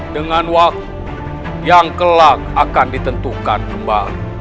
dengan waktu yang kelak akan ditentukan kembali